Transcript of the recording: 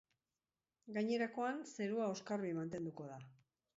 Gainerakoan, zerua oskarbi mantenduko da.